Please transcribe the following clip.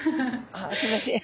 ああすいません。